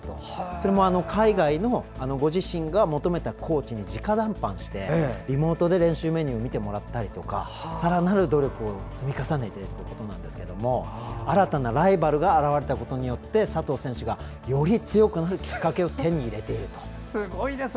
それも海外のご自身が求めたコーチに直談判して、リモートで練習メニューを見てもらったりさらなる努力を積み重ねているということですが新たなライバルが現れたことで佐藤選手がより強くなるきっかけを手に入れていると。